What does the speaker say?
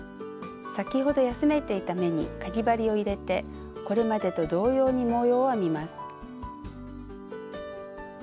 先ほど休めていた目にかぎ針を入れてこれまでと同様に模様を編みます。